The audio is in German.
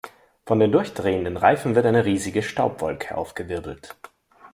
Von den durchdrehenden Reifen wird eine riesige Staubwolke aufgewirbelt.